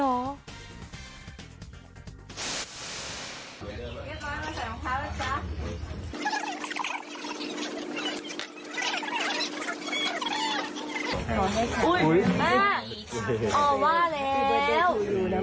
โอ้วว่าแล้ว